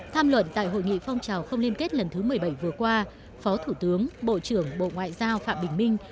tham luận tại hội nghị phong trào không liên kết lần thứ một mươi bảy vừa qua phó thủ tướng bộ trưởng bộ ngoại giao phạm bình minh